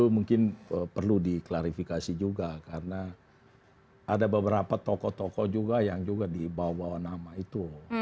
mungkin perlu diklarifikasi juga karena ada beberapa tokoh tokoh juga yang juga dibawa bawa nama itu